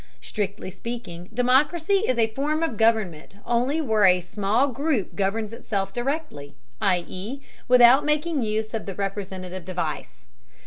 Strictly speaking, democracy is a form of government only where a small group governs itself directly, i.e., without making use of the representative device.